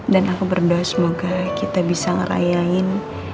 dan aku berdoa semoga kita bisa ngerayain